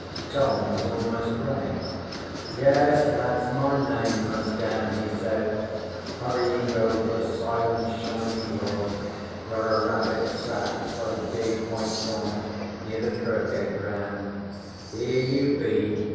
Tom was almost running. 'Yes. That's my name, Mus' Dan,' he said, hurrying over the silent shining lawn, where a rabbit sat by the big white thorn near the croquet ground. 'Here you be.'